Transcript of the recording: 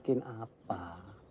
kita orang lemah bisa berhenti